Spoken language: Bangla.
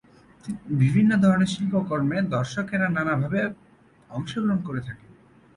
বিভিন্ন ধরনের শিল্পকর্মে দর্শকেরা নানা ভাবে অংশগ্রহণ করে থাকে।